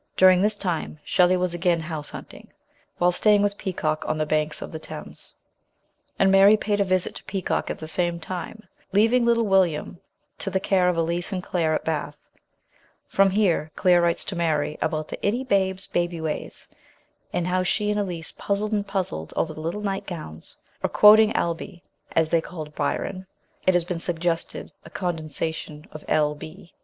During this time Shelley was again house hunting, while staying with Peacock on the banks of the Thames ; and Mary paid a visit to Peacock at the same time, leaving little William to the care of Elise and Claire at Bath. From here Claire writes to Mary about the " Itty Babe's " baby ways, and how she and Elise puzzled and puzzled over the little night gowns, or, quoting Albe, as they called Byron (it has been suggested a condensation of L. B.)